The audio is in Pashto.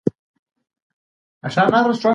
د کنر درې د نښترو په عطرونو سمبال دي.